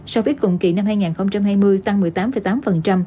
so với cùng kỳ năm hai nghìn hai mươi tăng một mươi tám tám